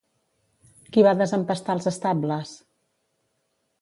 Qui va desempestar els estables?